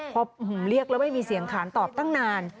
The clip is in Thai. พอเรียกแล้วไม่มีเสียงขานตอบตั้งนาน